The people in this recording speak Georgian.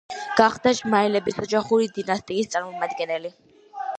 გახდა ჟმაიელების ოჯახური დინასტიის წარმომადგენელი.